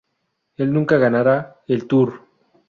El nunca ganará el Tour".